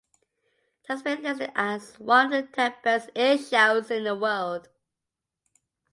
It has been listed as one of the ten best airshows in the world.